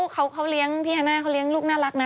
เขาเลี้ยงพี่ฮาน่าเขาเลี้ยงลูกน่ารักนะ